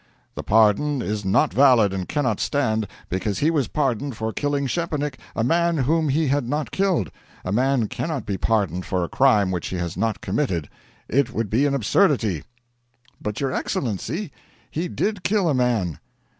'The pardon is not valid, and cannot stand, because he was pardoned for killing Szczepanik, a man whom he had not killed. A man cannot be pardoned for a crime which he has not committed; it would be an absurdity.' 'But, your Excellency, he did kill a man.'